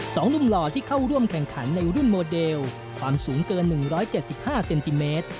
สองรุ่นหล่อที่เข้าร่วมแข่งขันในรุ่นโมเดลความสูงเกิน๑๗๕เซนติเมตร